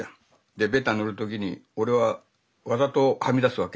でベタ塗る時に俺はわざとはみ出すわけ。